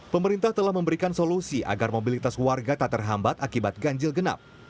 pemerintah telah memberikan solusi agar mobilitas warga tak terhambat akibat ganjil genap